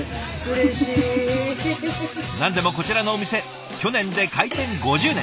何でもこちらのお店去年で開店５０年。